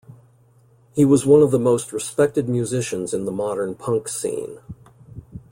He was one of the most respected musicians in the modern punk scene.